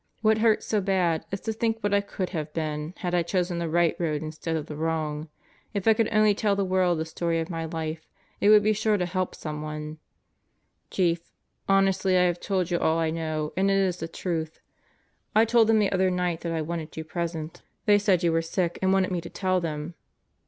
What hurts so bad is to think what I could have been had I chosen the right road instead of the wrong. If I could only tell the world the story of my life, it would be sure to help someone. Chief, honestly I have told you all I know and it is the truth. I told them the other night that I wanted you present; they said 18 God Goes to Murderers Row you were sick and wanted me to tell them.